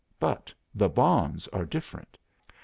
But the bonds are different.